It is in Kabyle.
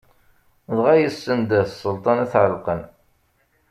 Dɣa yendeh Selṭan ad t-ɛelqen.